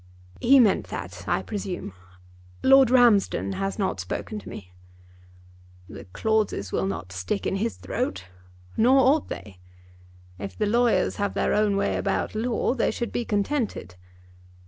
"He meant that, I presume. Lord Ramsden has not spoken to me." "The clauses will not stick in his throat. Nor ought they. If the lawyers have their own way about law they should be contented."